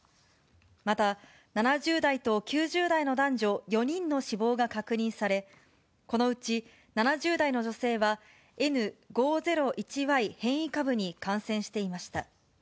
また、７０代と９０代の男女４人の死亡が確認され、このうち７０代の女性は、Ｎ５０１Ｙ変異株に感染していました。